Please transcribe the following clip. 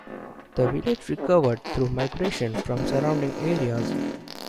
The village recovered through migration from surrounding areas.